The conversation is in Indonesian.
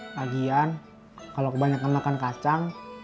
kagian kalau kebanyakan makan kacang